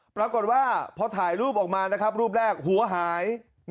ปรากฏว่าพอถ่ายรูปออกมานะครับรูปแรกหัวหาย